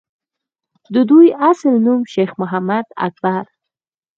دَدوي اصل نوم شېخ محمد اکبر